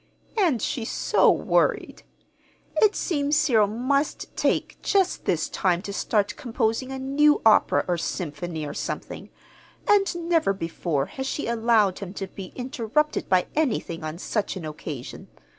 And she's so worried! It seems Cyril must needs take just this time to start composing a new opera or symphony, or something; and never before has she allowed him to be interrupted by anything on such an occasion.